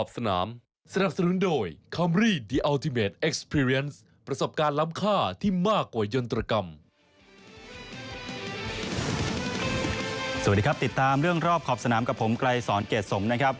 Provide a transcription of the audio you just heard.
สวัสดีครับติดตามเรื่องรอบขอบสนามกับผมไกรสอนเกรดสมนะครับ